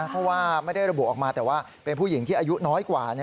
เพราะว่าไม่ได้ระบุออกมาแต่ว่าเป็นผู้หญิงที่อายุน้อยกว่า